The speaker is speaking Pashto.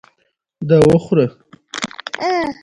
پکتیکا د افغانستان د اقلیمي نظام ښکارندوی ده.